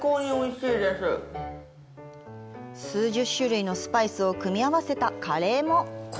数十種類のスパイスを組み合わせたカレーも。